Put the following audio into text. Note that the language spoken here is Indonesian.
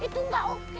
itu enggak oke